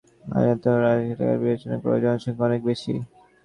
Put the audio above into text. প্রকৃতপক্ষে আমাদের শহরগুলোর আয়তন ও রাস্তাঘাট বিবেচনা করলে জনসংখ্যা অনেক বেশি।